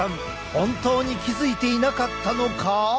本当に気付いていなかったのか？